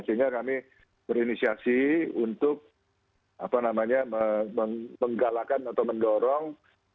sehingga kami berinisiasi untuk menggalakan atau mendorong